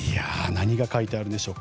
何が書いてあるんでしょう。